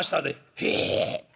「へえ」。